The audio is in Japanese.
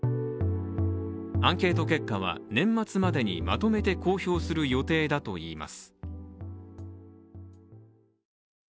アンケート結果は年末までにまとめて公表する予定だといいます。